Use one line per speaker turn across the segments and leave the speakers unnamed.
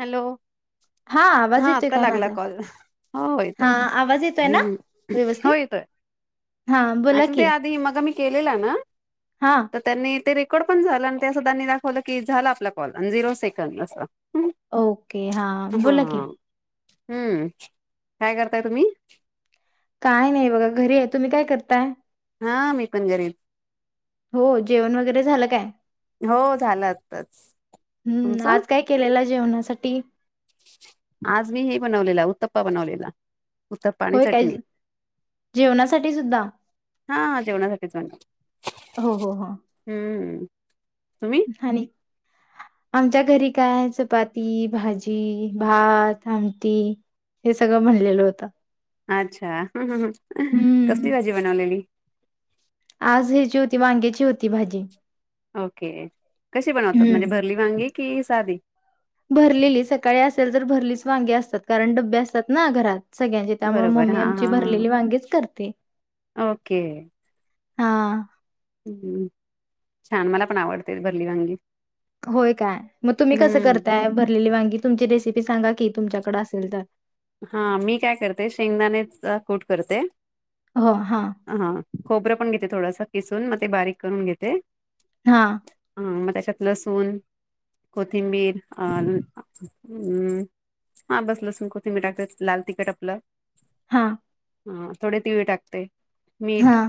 Hello. हा
आवाज येतोय
आता
का
लागला
माझा?
कॉल हो हो
हा
येतोय
आवाज येतोय ना
हो
व्यवस्थित?
येतोय.
हा बोला
अस ते
की
आधी मग मी केलेला ना.
हा
तर त्यांनी ते कट पण झाला आणि ते अस त्यांनी दाखवलं की झाला आपला कॉल झिरो सेकंद असं हम्म.
ओके हा बोला की
हा हम्म काय करताय तुम्ही?
काय नाही बघा घरी आहे, तुम्ही काय करताय
हा मी पण घेरीच
हो जेवण वगैरे झालं काय?
हो झालं आताच
हम्म
तुमचं?
आज काय केलेला जेवणासाठी
आज मी हे बनवलेला उत्तपा बनवलेला उतप्पा आणि
होय काय
चटणी
जेवणासाठी सुद्धा?
[inaudible] हा जेवणासाठीच म्ह हम्म [inaudible] तुम्ही
ह [unintelligible] आमच्या घरी काय चपाती, भाजी, भात, आमटी हे सगळं बनलेलं होतं
अच्छा हं- हं- ह अ
हम्म
कसली भाजी बनवलेली?
आज ह्याची होती, वांग्याची होती भाजी
ओके कशी बनवतात म्हणजे
हम्म..
भरली वांगी कि साधी
भरलेली सकाळी असेल तर भर वांगे असतात, कारण डब्बे असतात ना घरात सगळ्यांची त्यामुळे
बरोबर
मम्मी
हा हा
आमची भरलेली वांगीच करते
हा ओके
[inaudible] हा
हम्म छान मला पण आवडतेत भरली वांगी
होय काय मग तुम्ही कसं
हम्म
करताय भरलेली वांगी तुमची रेसिपी सांगा कि? तुमच्याकडे असेल तर
हा मी काय करते शेंगदाणेचा कूट करते
हो हां
हा खोबरं पण घेत थोडस किसून मग ते बारीक करून घेते
हा
हम्म मग त्याच्यात लसूण, कोथिंबीर आ [unintelligible] हम्म हा बस लसूण कुटू [unintelligible] लाल तिखट आपलं
हा.
हां थोडे तिळ टाकते. मीठ
हां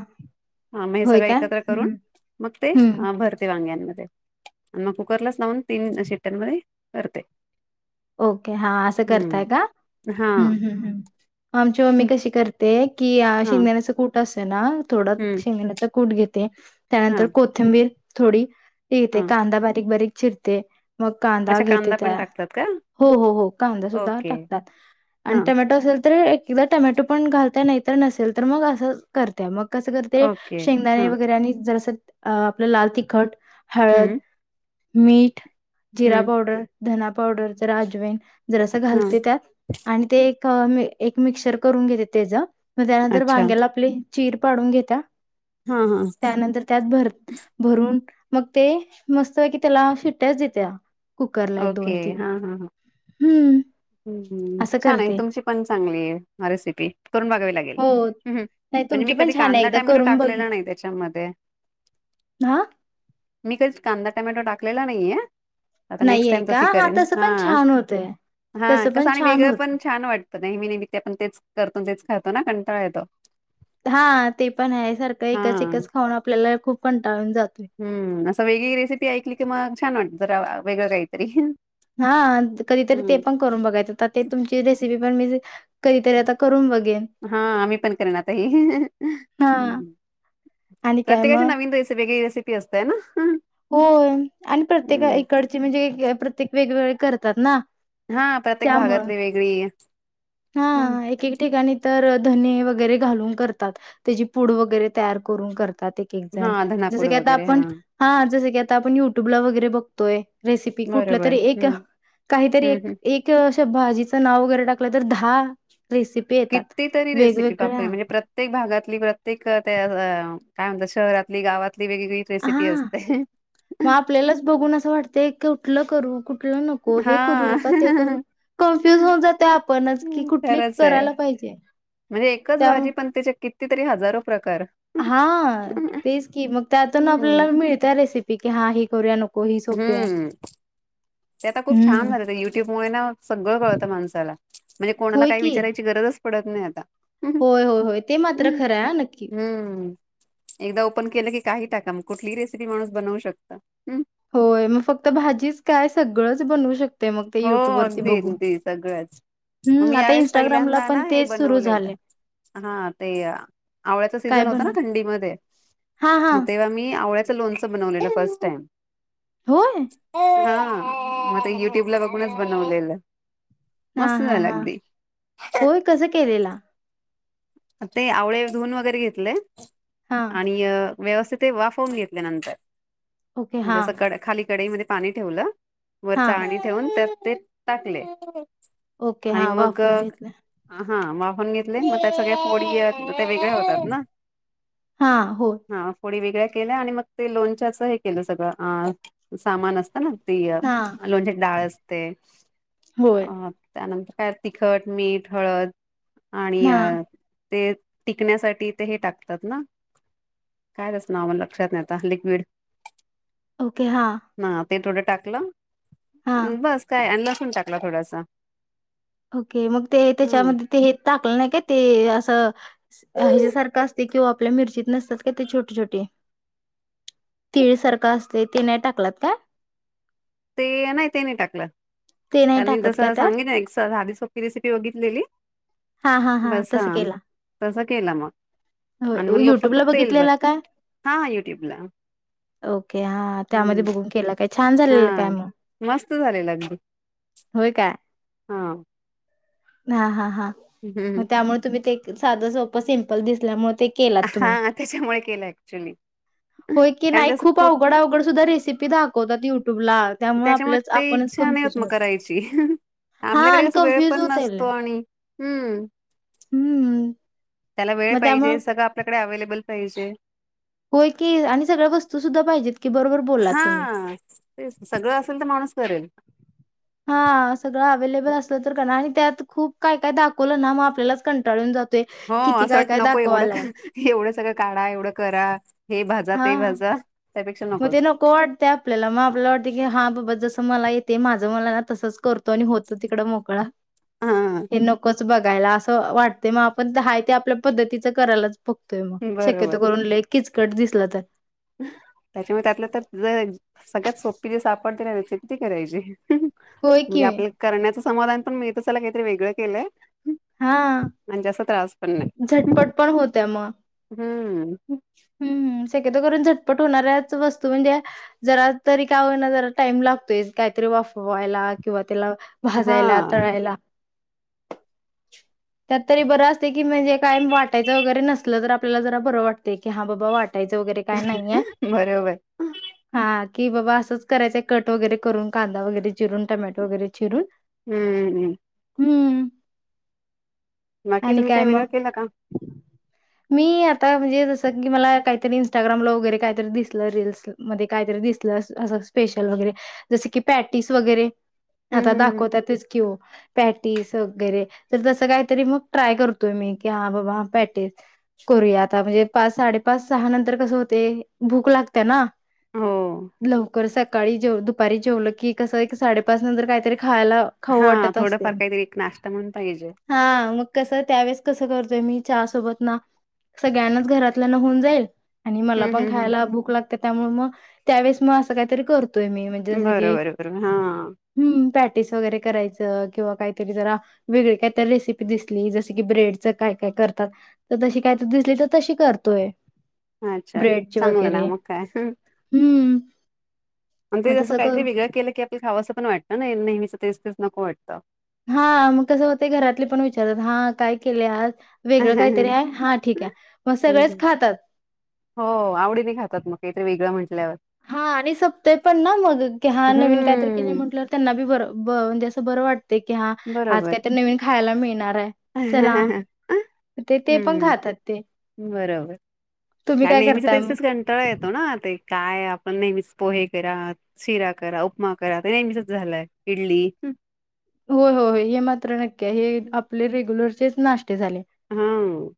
ह मग हे
होय
सगळं
काय
एकत्र करून
हं,
-मग ते
हं.
भरते वांग्यांमध्ये. आणि मग कुकरलाच लावून तीनं- शिट्यांमध्ये करते.
ओके हा असं करताय
हम्म
का?
हा
हम्म- हम्म -हम्म आमची मम्मी
हं,
कशी करते एक. कि अ
हा
शेंगदाण्याचं कुट अस की [unintelligible] थोडा
हं,
शेंगण्याचा कूट घेते त्यानंतर
हां,
कोथिंबीर. थोडी ते
हां.
कांदा बारीक बारीक चिरते. मग कांदा
अच्छा
घेते
पण
त्या
टाकतात का?
हो हो हो कांदा सुद्धा
ओके.
टाकतात आणि
हां,
टमॅटो असेल तर एक किंवा टमॅटो पण घालत नाहीतर नसेल तर मग असं करत्या मग कसं करते
ओके.
शेंगदाणे
हां,
वगैरे आणि जरासं अ आपलं लाल तिखट हळद.
हं,
मीठ. जिरा
हं,
पावडर. धना पाव पावडर जरा अजवाईन जरासं
हां.
घालते त्यात आणि ते अ मी एक मिक्चर करून घेते त्याच मग त्यानंतर
अच्छा.
वांग्याला आपली चीर पाडून घेता.
हां, हां.
त्यानंतर त्यात भरत भरून मग ते मस्त पैकी की त्याला सिट्याच देत्या. कुकर ला एक दोन.
हा हा हं
असं
छान आहे
करते.
तुमची पण चांगली रेसिपी करून बघावी लागेल
हो. नाही
म्हणजे मी
तुमची पण
कधी
छान आहे
कांदा
एकदा
टोमॅटो
करून बघ
टाकलेला नाही त्याच्यामध्ये.
हा
मी कधीच कांदा टमॅटो टाकलेला नाहीये. आता नेक्स्ट
नाहीये
टाइम
का
तस करेन
तसं
हा
पण छान होतय
हा
तसं पण
कसं आणि
छान
वेगळं
होत
पण छान वाटतं नेहमी नेहमी आपण तेच करतो तेच खातो ना कंटाळा येतो.
हा ते पण आहे सारखं एकच
हां.
एकच खाऊन आपल्याला खूप कंटाळून जातोय.
हम्म असं वेगळी रेसिपी ऐकली की मग छान वाटत जरा वेगळं काहीतरी.
हा कधीतरी ते पण
हम्म
करून बघाच ते तुमची रेसिपी पण मी कधीतरी आता करून बघेन.
हा आम्ही पण करणार
हा आणि
प्रत्येकाचे नवीन रसेपी वेगळे असतयं ना.
हो आणि प्रत्येका
हम्म
इकडचे म्हणजे प्रत्येक प्रत्येक वेगवेगळे करतात ना
हा प्रत्येक
त्यामुळं
भागातली वेगळी
हा
हम्म
एक एक ठिकाणी तर धने वगैरे घालून करतात त्याची पूड वगैरे तयार करून करतात एक एक जण
हा
जसं
धनापूड
की आता
वगैरे हा
आपण हा जसं की आता आपण युट्यूब ला वगैरे बघतोय रेसिपी कुठलं
बरोबर
तरी एक
हम्म
काहीतरी
हम्म हम्म
एक भाजीचं नाव वगैरे टाकलं तर दहा
कितीतरी रेसिपी पाकली म्हणजे प्रत्येक भागातली प्रत्येक त्या काय म्हणत शहरातली गावात
हा मग आपल्यालाच बघून असं वाटतय कुठलं करू नको हे
हा
करू का ते करू कन्फ्युज होऊन जाते.
हम् खरंच आहे म्हणजे एकच भाजी पण त्याच्या किती तरी हजार रप प्रकार
हा तेच मग त्यातून आपल्याला
हम्म
मिळत रेसिपी की हा होऱ्या [unintelligible]
हम्म ते आता खूप छान
हं.
झालं ते युट्युबमुळे ना सगळं कळतं माणसाला म्हणजे कोणाला
होय
काय
की.
विचारायची गरज पडत नाही आता
होय होय होय ते मात्र खरंय नक्की
हम्म एकदा ओपन केलं की काही टाका मग कुठलीही रेसिपी माणूस बनवू शकतं
होय मग फक्त भाजीच काय सगळंच बनवू शकत
हो अगदी अगदी सगळंच मग
हं,
मी
आता
यावेेळेस पहिल्यांदा
पण
ना हे
तेच सुरू झालंय.
बनवलेलं हा ते आवळ्याचा
काय
सीझन होता ना
बनव
थंडीमध्ये
हां, हां.
मग तेव्हा मी आवळ्या लोच बनवलेलं फर्स्ट टाइम.
होय?
अ ह म य ट्यूब ला बघूनच बनवलेलं
हा
मस्त
हा
झालं
हा
अगदी
होय कसं केलेलं
ते आवळे धुून वगैरे घेतले
हां,
आणि अ व्यवस्थित वाफून घेतल्यानंतर
ओके. हां,
म्हणजे कड खाली कढाईमध्ये पाणी ठेवलं
हां.
वरचाणी ठेवून तर ते टाकले.
ओके
आणि
हा.
मग
वाफवून घेतले.
हा वाफवून घेतले, त - सगळ्या फोडी त्यात- ते वेगळ्या होतात ना?
हां, होय.
हा फोडी वेगळ्या- केल आणि मग ते लोणच्याच हे केलं सगळं. आं सामान असतं ना? ते
हां,
म्हणजे डाळ असते.
होय.
अ त्यानंतर- त्याला तिखट, मीठ, हळद- आणि
हां,
अ- ते टिकण्यासाठी ते हे टाकतात ना? काय त्याच नाव मला लक्षात नाही आता लिक्विड-
ओके हा.
हा ते थोडं टाकलं- बस काय? अ ना- टाकला थोडासा
ओके, मग ते
हम्म
त्याच्यामध्ये ते हे टाकलं नाही का ते- ह्याच्यासारखं असते किंवा आपल्या मिरचीत नसतात का ते छोटे छोटे- तिळेसारखा असत- तेथे नाही टाकलात का?
ते- नाही ते नाही टाकलं.
ते नाही
त्यांनी
टाकत
जस
काय त्यात
सांगितलंय तसं- ध झाली. सोपी रेसिपी बघितलेली.
हां हां हां,
बस हा
तस केला
तसं केला मग
होय.
आणि मग लो फक्त
युट्यूबला
तेल बर
बघितलेला का?
हा युट्यूबला
ओके, हां त्यामध्ये
हम्म
बघून केला का? छान
हा
झाली - काय म?
मस्त झालेलं
होय का?
हां.
हा हा हा. म त्यामुळे तुम्ही ते साधं, सोपं सिम्पल दिसल्यामुळे ते केलात तुम्ही.
हा त्याच्यामुळे केलं ऍक्च्युली
होय की
कारण
नाही
त्याच
खूप अवघड अवघड सुद्धा रेसिपी दाखवतात युट्यु-
त्याच्यामुळे ते इच्छा नाही होत मग
होतो
करायची.
हा
आपल्याकडे
आणि
कस वेळ
कन्फ्युज
पण
होत
नस-
आहे.
तो आणि हम.
हम्म
त्याला वेळ
मग त्यामुळे
पाहिजे सगळं आपल्याकडे अवेलेबल बल पाहिजे.
होय की आणि सगळ्या वस्तू सुद्धा पाहिजेत. की बरोबर बोललात तुम्ही.
हा- ते सगळं असेल तर माणूस करेल.
हा सगळं अवेलेबल असलं तर करा आणि त्यात खूप काय काय दाखवलं ना म आपल्यालाच कंटाळून जात
हो असं अट नको एवढं क एवढं सगळं काढा एवढं करा. हे भाजा
हा
ते भाजा. त्यापेक्षा
मग ते
नकोच
नको वाटते आपल्याला मग आपल्याला वाटते की हा बाबा जसं मला येते माझं मला तसंच कर तो आणि होत तिकड मोकळा
हा
हे नको बघायला असं वाटते मग आपण हाय ते आपल्या पद्धतीचं करायलाच बघतोय मग
बरोबर
शक्यतो करून लई किचकट दिसला तर
त्याच्यामुळे त्यातल्या त्यात जर सगळ्यात सोपी रेस आप पण त्याला किती करायचे. हम्म
होय की
म्हणजे आपल्याल करण्याचच समाधान तर मिळत असायला काहीतरी वेगळं केलंय. हम
हा
म्हणजे अस त्रास. पण नाही.
झटपट पण होत्या म
हम्म.
हम्म शक्यतो करून झटपट होणाऱ्याच वस्तू म्हणजे जरा तरी काय होईना जरा टाईम लागतोयच काहीतरी वाफवायला किंवा त्याला
हा
भाजायला तळायला. त्यात तरी बर असते की म्हणजे कायम वाटायचं वगैरे नसल तर आपल्याला जरा बरं वाटत. ते की हां बाबा वाट याच वगैरे काय नाहीये
बरोबर
हा. कि बाबा असंच करायचंय कट वगैरे करून कांदा वगैरे चिरून टमॅटो वगैरे चिरून
हम्म.
ह. [unintelligible]
बाकी
आणि
तुम्ही
काय
काही वेगळं
मग
केलं का?
मी आता. म्हणजे [unintelligible] ज की मला काहीतरी इंस्टाग्रामला वगैरे काहीतरी दिसलं रील्स मध्ये काहीतरी दिसलं असं स्पेशल वगैरे जसं की पॅटीस वगैरे
हम्म
आता
हम्म हम्म
दाखवत तेच स्कीवो पॅट तीस वगैरे तर तस काहीतरी मग ट्राय करतोय मी. क हां बाबा पॅटे करूया आता म्हणजे. पास साडेपास सहा नंतर कसं होतेये भूक लागते ना,
हो.
लवकर सैप सकाळी जेव दुपारी जेवलं की कसं एक साडे पाच नंतर कायतरी खायला खाऊ
हा
वाटत असते,
थोडंफार काहीतरी एक नाश्ता म्हणून पाहिजे.
हा मग कसं त्यावेळेस कसं करतोय मी चहा सोबत ना सगळ्यांनाच घरात त्यालांना होऊन जाईन आणि मला
हम्म
पण
हम्म
खायला भूक लाग त्यामुळे मग त्यावेळेस मग असं काहीतरी कर तोय मी म्हणजे
हम्म
ज की
बरोबर बरोबर हा
पॅटीस वगैरे करायची. त किंवा काहीतरी जरा वेगळी काहीतरी रेसिपी दिसली ही जशी की ब्रेडचा काय-काय करतात तर तशी काही दिसली तर तशी कर तोय
अच्छा चांगलं ना मग काय
हम्म
आणि
मग
जसं ते
तसं
काहीतरी
करू
वेगळं केलं की आप खावा असं पण वाटत ना नेहमीच तेच तेच नको वाट ता
हा मग कसं होते घरातले पण विचारतात हा काय केले आज वेगळं काहीतरी आहे? हां, ठीक आहे." मग सगळेच खातात.
हो आवडी ने खातात मग काहीतरी वेगळं म्हण
हा आणि सपतय पण ना मग क हा नवीन काहीतरी केलं
हम्म,
म्हटलं त्यांना बी बरं बन जेस बरं वाट ते कि हा आज काय
बरोबर.
तर नवीन खायला मिळणार आहे चला ते ते पण
हम्म,
खातात ते. तुम्ही
हा
काय
नेहमीच
करताय मग?
तेसेच घंटाळा येतो ना ते काय आपण नेहमीच पोहे करा शिरा करा उपमा करा नेहमीचच झालंय इडली
हो होय हे मात्र नक्की हे आपले रेग्युलर तेच ना ठे झाले
हां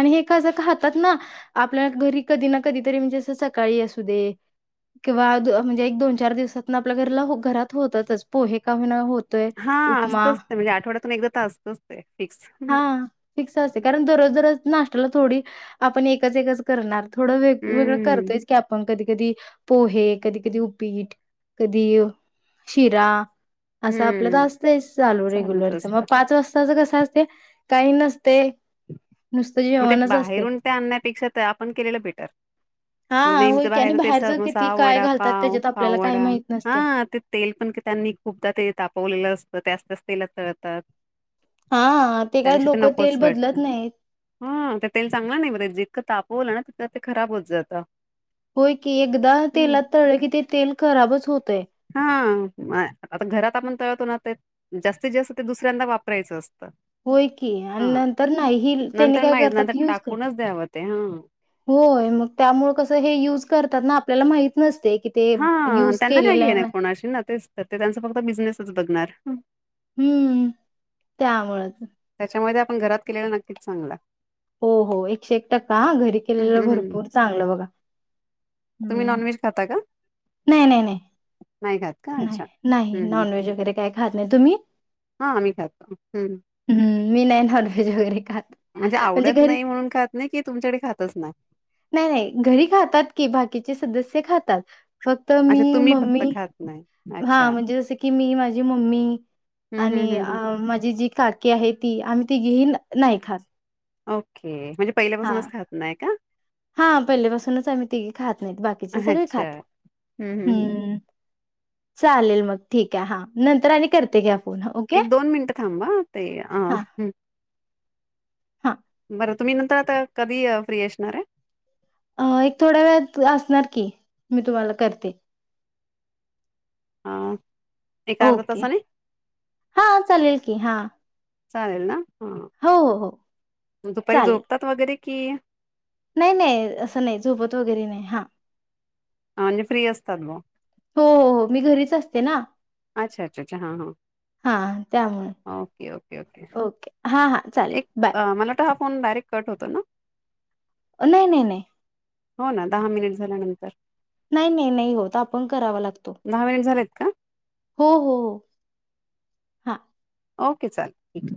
आणि हे कसं खातात ना आपल्या घरी कधी ना कधी तरी म्हणजे असं सकाळी असू दे किंवा दो अ म्हणजे एक दोन चार दिवसातनं आपल्या घरला घरात होतच पोहे का हो ना होत. तोय
हा असतच ते म्हणजे आठवड्यातून एकदा ता असतच ते फिक्स हं.
हा फिक्स असते कारण द रोज रोज ना नाष्ट्याला थोडी आपण एकच-एकच करणार. थोडं वेगवेगळं
हम्म,
करतोयस की आपण कधी कधी पोहे कधी कधी उपीट कधी शिरा असं आपल्याला
हम्म,
असतच चालू
चालूच
रेग्युलरचा मग
असतं.
पाच वाजताचा कसं ते काही नसते. नुसतं
म ते
जेवणच असते.
बाहेरून ते आणण्यापेक्षा तर आपण केलेलं बेटर
हा होय
नेमचं
की आणि
बाहेरच ते
किती
समोसा
काय
वडा
घालतात
पाव
त्याच्यात आपल्याला
पाव
काही
वडा
माहित नसते.
हा ते तेल पण त्यांनी खूपदा ते तापवलेलं अस त्याच त्याच तेलात तळतात
हा ते काय
त्यापेक्षा
लोक तेल
नकोच
बदलत
वाटतं.
नाहीत.
हा ते तेल चांगला नाही बर जितकं तापवलं ना तितकं ते खराब होत जातं.
होय की एकदा तेलात तळलं की ते तेल खराबच होतय.
हा आता घरात आपण तळतो ना ते जास्तीत जास्त ते दुसऱ्यांदा वापरायचं असतं.
होय की आणि
हा
नंतर नाही तेही
नंतर
काय
नाहीच नंतर
करतात यूज करतात.
टाकूनच द्यावं ते हा.
होय मग त्यामुळे कसे हे युज करतात ना आप ल्याला माहित नसते. की ते
हा
युज
त्यांना काय
केलेलं
घे
आहे
ना कोणाशी ना ते ते त्यांच फक्त बिझनेसच बघणार. हं.
हम्म त्यामुळेच.
त्यामध्ये आपण घरात केलेला नक्कीच चांगला.
हो हो एकशे एक टक्का घरी केलेलं भरपूर चांगलं बघा
तुम्ही
हम्म.
नॉनव्हेज खाता का?
नाही नाही नाही
नाही खात का?
नाही
अच्छा.
नाही
हं, हं.
नॉनव्हेज वगैरे काय खात नाही तुम्ही?
हां, आम्ही खातो. हं.
मी नाही नॉनव्हेज वगैरे खात. म्हणजे
आवडत
घरी
नाही म्हणून खात नाही की तुमच्याकडे खातच नाही?
नाही नाही घरी खातात की बाकीचे सदस्य ते खातात. फक्त
अच्छा
मी
तुम्ही फक्त
मम्मी
खात नाही.
हा
अच्छा.
म्हणजे जस की मी माझी मम्मी
हं, हं,
आणि
हं, हं.
माझी जी काकी आहे ती आम्ही तिघीही नाही खात.
ओके. म्हणजे
हा
पहिल्यापासूनच खात नाही का?
हा पहिले पाासूनच आम्ही तिघी खात नाहीत बाकीचे सगळे खात
अच्छा. हं, हं, हं.
हम्म. चालेल मग ठीक आहे हा नंतर आणि करते घ्या. Phone okay.
एक दोन मिनटं थांबा ताई
हां,
अ.
हां.
बरं तुम्ही नंतर आता कधी फ्री अशणार आहे?
अ एक थोड्या वेळात असणार की मी तुम्हाला करते.
हां.
ओके हां चालेल की हां.
चालेल ना? हां.
हो हो हो
दुपारी
चालेल.
झोपतात वगैरे की.
नाही नाही असं नाही झोपत वगैरे नाही हां.
म्हणजे फ्री असतात बा
हो, हो, हो मी घरीच असते ना.
अच्छा अच्छा अच्छा हां हां
हां, त्यामुळे.
ओके ओके ओके
हां, हां चालेल
एक
बाय.
मला वाटतं हा फोन डायरेक् कट होतो ना?
नाही नाही नाही
हो ना दहा मिनिट झाल्यानंतर
नाही नाही नाही होत आपण करावा लाग
दहा मिनिट झालेत का?
हो हो हो हां
ओके चाले ठीक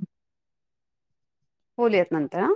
बोलूयात नंतर हां